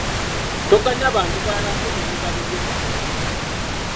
Toganya bantu balala kkunyumiza lugero lwo.